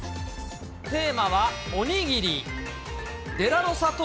テーマはお握り。